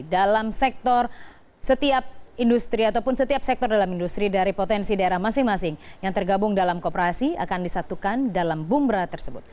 dalam sektor setiap industri ataupun setiap sektor dalam industri dari potensi daerah masing masing yang tergabung dalam kooperasi akan disatukan dalam bumra tersebut